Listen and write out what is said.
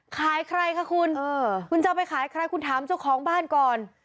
ใครคะคุณคุณจะเอาไปขายใครคุณถามเจ้าของบ้านก่อน